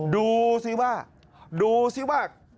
ดูสิว่าดูสิว่า